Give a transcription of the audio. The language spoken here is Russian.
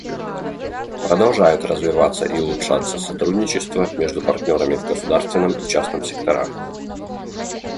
Продолжает развиваться и улучшаться сотрудничество между партнерами в государственном и частном секторах.